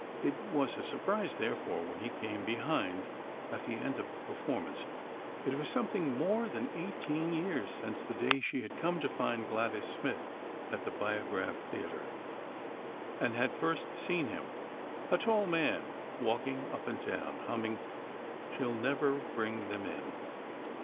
It was a surprise, therefore, when he came behind, at the end of the performance. It was something more than eighteen years since the day she had come to find Gladys Smith at the Biograph studio, and had first seen him, a tall man walking up and down, humming "She'll never bring them in."